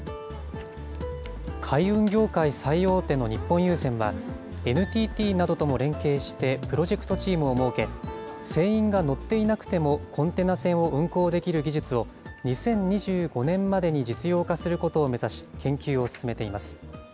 海運業界最大手の日本郵船は、ＮＴＴなどとも連携して、プロジェクトチームを設け、船員が乗っていなくてもコンテナ船を運航できる技術を、２０２５年までに実用化することを目指し、研究を進めています。